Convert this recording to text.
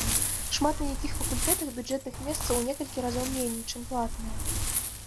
Шмат на якіх факультэтах бюджэтных месцаў у некалькі разоў меней чым платнае.